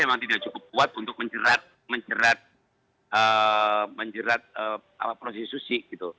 emang tidak cukup kuat untuk menjerat menjerat menjerat proses susi gitu